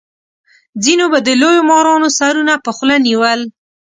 ځینو به د لویو مارانو سرونه په خوله نیول.